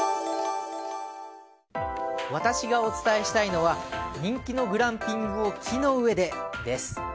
私がお伝えしたいのは人気のグランピングを木の上でです。